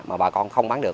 mà bà con không bán được